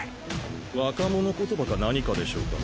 若者言葉か何かでしょうか？